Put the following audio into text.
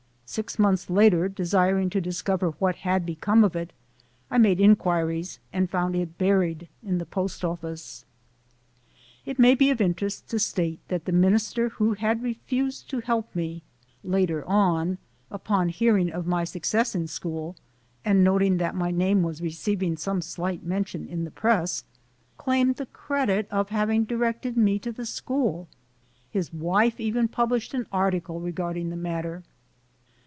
Six months later, desiring to discover what had become of it, I made inquiries and found it buried in the post office. It may be of interest to state that the minister MY AMERICAN EDUCATION 161 who had refused to help me later, upon learning of my success in school and noting that my name was receiving some slight mention in the press, claimed the credit of having directed me to the school. His wife even published an article regarding the matter.